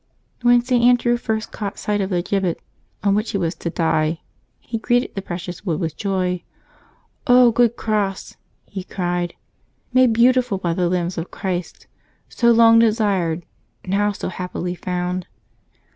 When St. Andrew first caught sight of the gibbet on which he was to die, he greeted the precious wood with joy. " good cross !" he cried, " made beautiful by the limbs of Christ, so long desired, now so happily found